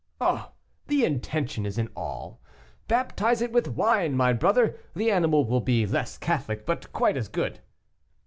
"Oh! the intention is all; baptize it with wine, my brother; the animal will be less Catholic but quite as good."